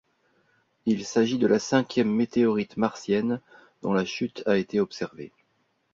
Il s'agit de la cinquième météorite martienne dont la chute a été observée.